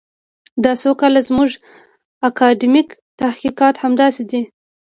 دا څو کاله زموږ اکاډمیک تحقیقات همداسې دي.